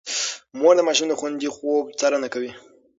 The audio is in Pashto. مور د ماشوم د خوندي خوب څارنه کوي.